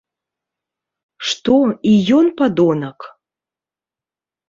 Што, і ён падонак?